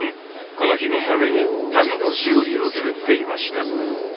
この日のために旅のしおりを作っていました。